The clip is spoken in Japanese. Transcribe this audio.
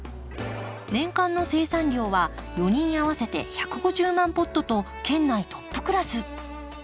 年間の生産量は４人合わせて１５０万ポットと県内トップクラス。